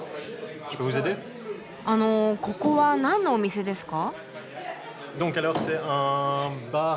あのここはなんのお店ですか？